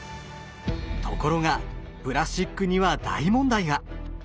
ところがプラスチックには大問題が。